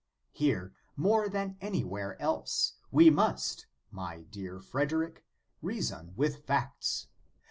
Here, more than anywhere else, we must, my dear Frederic, reason with facts.